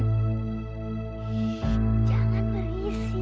hai jangan berisik